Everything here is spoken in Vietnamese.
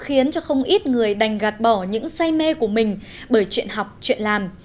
khiến cho không ít người đành gạt bỏ những say mê của mình bởi chuyện học chuyện làm